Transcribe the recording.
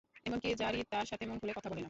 এমনকি যারীদ তার সাথে মন খুলে কথা বলে না।